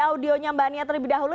audionya mbak nia terlebih dahulu